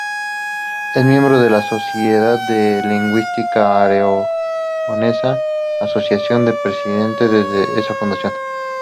Es miembro de la Sociedad de Lingüística Aragonesa, asociación que preside desde su fundación.